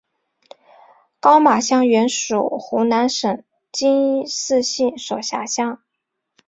高码乡原属湖南省资兴市所辖乡。